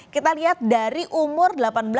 kita lihat dari umur